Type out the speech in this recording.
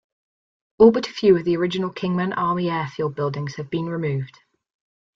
All but a few of the original Kingman Army Airfield buildings have been removed.